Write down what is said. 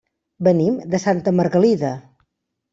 Venim de Santa Margalida.